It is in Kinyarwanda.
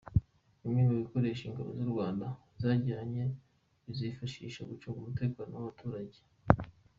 Bimwe mu bikoresho ingabo z’u Rwanda zajyanye, bizazifasha gucunga umutekano w’abaturage.